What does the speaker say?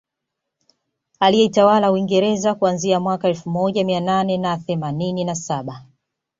Aliyeitawala Uingereza kuanzia mwaka elfu moja Mia nane na themanini na saba